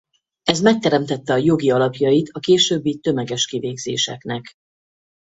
Ez megteremtette a jogi alapjait a későbbi tömeges kivégzéseknek.